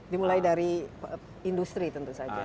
dimulai dari industri tentu saja